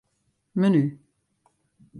Menu.